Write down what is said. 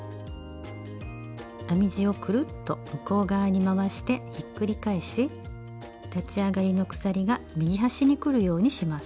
編み地をくるっと向こう側に回してひっくり返し立ち上がりの鎖が右端にくるようにします。